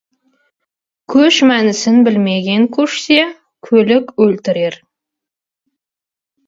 Көш мәнісін білмеген көшсе, көлік өлтірер.